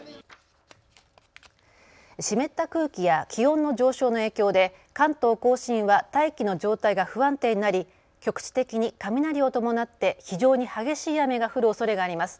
湿った空気や気温の上昇の影響で関東甲信は大気の状態が不安定になり局地的に雷を伴って非常に激しい雨が降るおそれがあります。